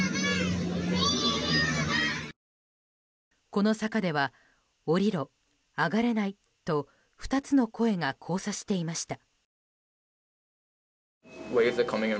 この坂では下りろ、上がれないと２つの声が交差していました。